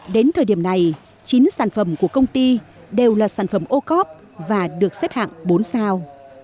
đến thời điểm này chín sản phẩm của công ty đều là sản phẩm ô cóp và được xếp hạng bốn sao